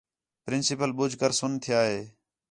پرنسپل ٻُجھ کر سُن تِھیا ہے